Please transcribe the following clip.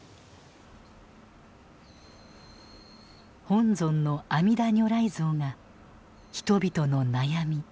本尊の阿弥陀如来像が人々の悩み